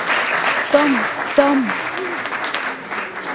Tom, Tom!